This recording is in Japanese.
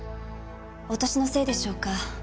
お歳のせいでしょうか。